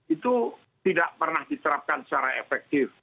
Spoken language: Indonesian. itu tidak pernah diterapkan secara efektif